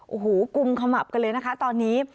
โอ้โหกุมขมับกันเลยนะคะตอนนี้